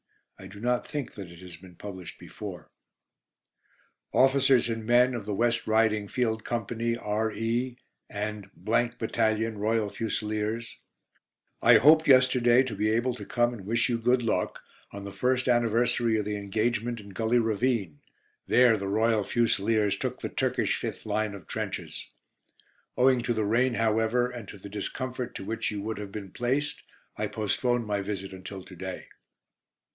I do not think that it has been published before: "Officers and men of the West Riding Field Company, R.E., and Battalion, Royal Fusiliers: "I hoped yesterday to be able to come and wish you good luck, on the first anniversary of the engagement in Gully Ravine, there the Royal Fusiliers took the Turkish fifth line of trenches. Owing to the rain, however, and to the discomfort to which you would have been placed, I postponed my visit until to day.